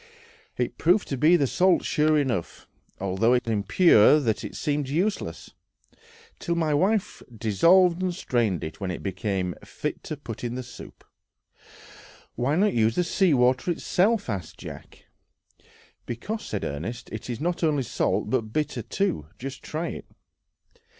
It proved to be salt sure enough, although so impure that it seemed useless, till my wife dissolved and strained it, when it became fit to put in the soup. "Why not use the sea water itself?" asked Jack. "Because," said Ernest, "it is not only salt, but bitter too. Just try it."